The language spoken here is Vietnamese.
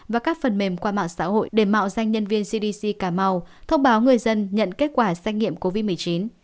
và các phần mềm qua mạng xã hội để mạo danh nhân viên cdc cảm mau thông báo người dân nhận kết quả xét nghiệm covid một mươi chín